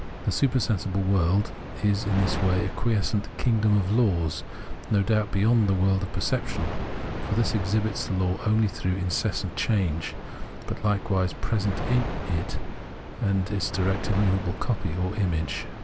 The supersensible world is in this way a quiescent " kingdom of laws," no doubt beyond the world of perception — for this exhibits the law only through incessant change — but likewise present in it, and its direct immovable copy or image.